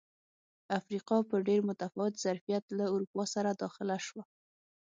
افریقا په ډېر متفاوت ظرفیت له اروپا سره داخله شوه.